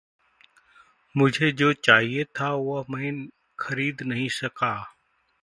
मुझे जो चाहिए था वह मैं ख़रीद नहीं सका।